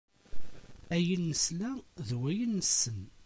Ayen nesla d wayen nessen.